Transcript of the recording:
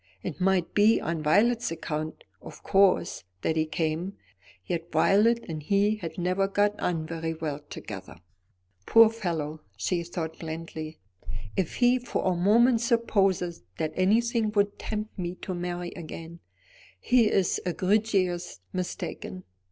It might be on Violet's account, of course, that he came; yet Violet and he had never got on very well together. "Poor fellow!" she thought blandly, "if he for a moment supposes that anything would tempt me to marry again, he is egregiously mistaken."